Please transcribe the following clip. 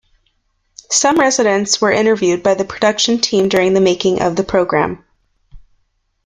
Some residents were interviewed by the production team during the making of the programme.